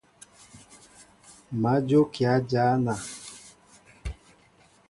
Má jókíá jăna.